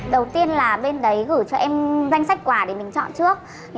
đầu tiên là bên đấy gửi cho em danh sách quà để mình chọn trước